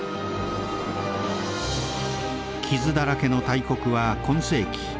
傷だらけの大国は今世紀